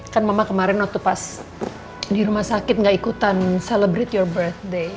kan mama kemarin waktu pas di rumah sakit nggak ikutan celebrate your birthday